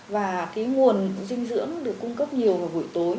và cái nguồn dinh dưỡng được cung cấp nhiều vào buổi tối